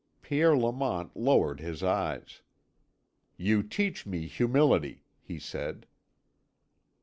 Pierre Lamont lowered his eyes. "You teach me humility," he said.